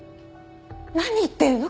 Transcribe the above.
何言ってるの？